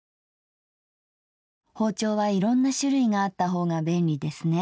包丁はいろんな種類があったほうが便利ですね。